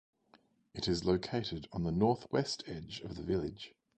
It is located on the northwest edge of the village.